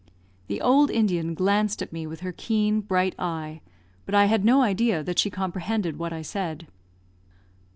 The old Indian glanced at me with her keen, bright eye; but I had no idea that she comprehended what I said.